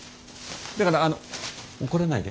だからあの怒らないで。